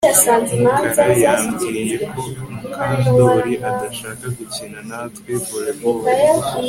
Mukara yambwiye ko Mukandoli adashaka gukina natwe volleyball